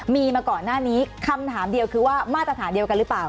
มีมาก่อนหน้านี้คำถามเดียวคือว่ามาตรฐานเดียวกันหรือเปล่า